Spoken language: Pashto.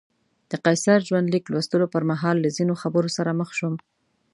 د قیصر ژوندلیک لوستلو پر مهال له ځینو خبرو سره مخ شوم.